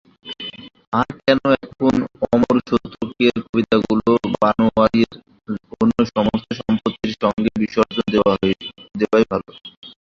আর কেন, এখন অমরুশতকের কবিতাগুলাও বনোয়ারির অন্য সমস্ত সম্পত্তির সঙ্গে বিসর্জন দেওয়াই ভালো।